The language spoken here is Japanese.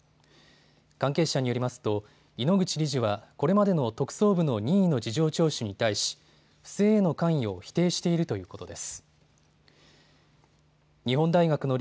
関係者によりますと井ノ口理事はこれまでの特捜部の任意の事情聴取に対し不正への関与を否定しているということです。